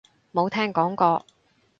冇聽講過